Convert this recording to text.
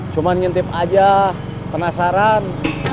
cuma nyintip aja penasaran